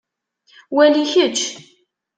Wali kečč.